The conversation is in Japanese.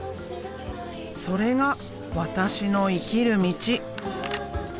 それが私の生きる道。